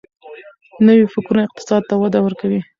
نوي فکرونه اقتصاد ته وده ورکوي.